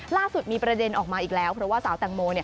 ล่าสุดมีประเด็นออกมาอีกแล้วเพราะว่าสาวแตงโมเนี่ย